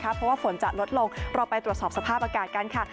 เพราะว่าฝนจะลดลงเราไปตรวจสอบสภาพอากาศกันค่ะ